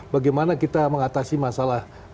bagaimana kita mengatasi masalah